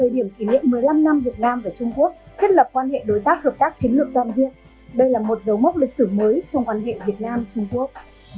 đây là một dấu mốc lịch sử mới trong quan hệ việt nam trung quốc